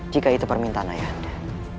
jika itu permintaan ayah anda